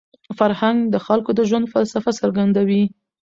فرهنګ د خلکو د ژوند فلسفه څرګندوي.